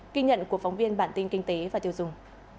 kinh nhận của phóng viên bản tin kinh tế và tiêu dùng